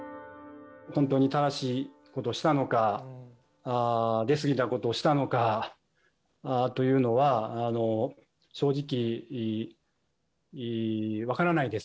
本当に正しいことをしたのか、出過ぎたことをしたのかというのは、正直分からないです。